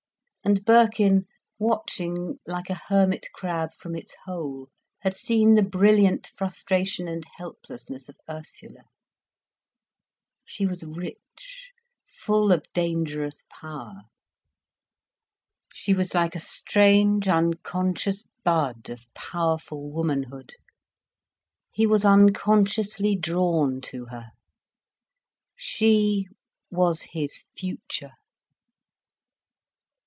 And Birkin, watching like a hermit crab from its hole, had seen the brilliant frustration and helplessness of Ursula. She was rich, full of dangerous power. She was like a strange unconscious bud of powerful womanhood. He was unconsciously drawn to her. She was his future.